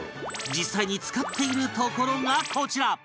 実際に使っているところがこちら